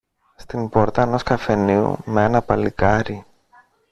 στην πόρτα ενός καφενείου μ' ένα παλικάρι.